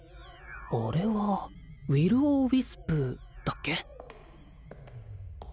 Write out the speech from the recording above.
あれはウィル・オー・ウィスプだっけ？